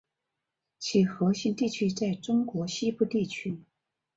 其核心地区在中国西北地区。